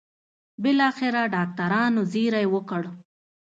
بالاخره ډاکټرانو زېری وکړ.